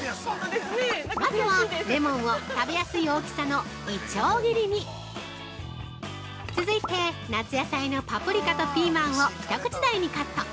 まずはレモンを食べやすい大きさのイチョウ切りに続いて夏野菜のパプリカとピーマンを一口大にカット。